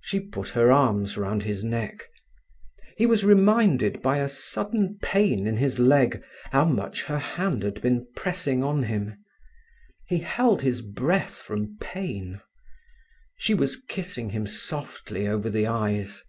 She put her arms round his neck. He was reminded by a sudden pain in his leg how much her hand had been pressing on him. He held his breath from pain. She was kissing him softly over the eyes.